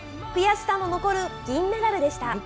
悔しさの残る銀メダルでした。